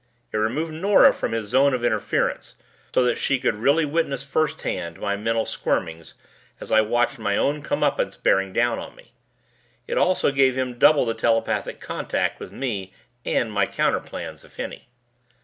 It removed Nora from his zone of interference so that she could really witness firsthand my mental squirmings as I watched my own comeuppance bearing down on me. It also gave him double the telepathic contact with me and my counter plans if any.